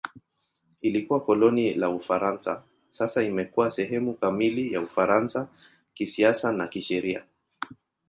Ilikuwa koloni la Ufaransa; sasa imekuwa sehemu kamili ya Ufaransa kisiasa na kisheria.